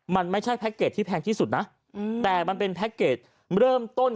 มันไม่ใช่แพ็คเกจที่แพงที่สุดนะแต่มันเป็นแพ็คเกจเริ่มต้น